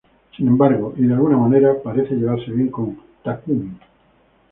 Sin embargo y, de alguna manera, parece llevarse bien con Takumi.